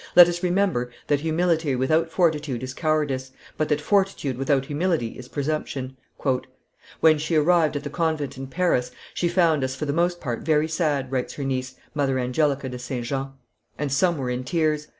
Let us remember that humility without fortitude is cowardice, but that fortitude without humility is presumption." "When she arrived at the convent in Paris, she found us for the most part very sad," writes her niece, Mother Angelica de St. Jean, "and some were in tears.